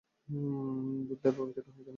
দুধটা এভাবেই খেতে হয় কেন?